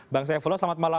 bang saifullah selamat malam